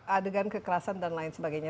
adegan kekerasan dan lain sebagainya